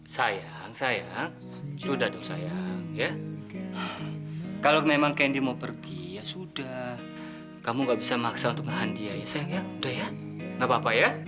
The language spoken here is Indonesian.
sayang sayang sudah dong sayang ya kalau memang candy mau pergi ya sudah kamu gak bisa maksa untuk ngahan dia ya sayang ya udah ya gak apa apa ya